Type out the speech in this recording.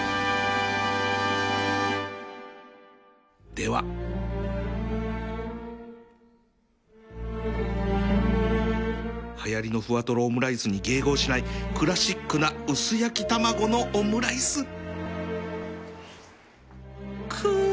でははやりのふわとろオムライスに迎合しないクラシックな薄焼き卵のオムライスくう！